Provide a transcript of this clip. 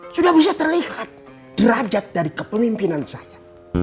sudah bisa terlihat derajat dari kepemimpinan saya